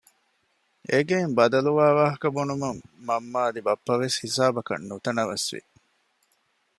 އެގެއިން ބަދަލުވާ ވާހަކަ ބުނުމުން މަންމަ އަދި ބައްޕަވެސް ހިސާބަކަށް ނުތަނަވަސްވި